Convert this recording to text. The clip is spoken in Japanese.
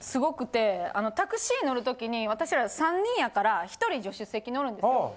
タクシー乗る時に私ら３人やから１人助手席乗るんですよ。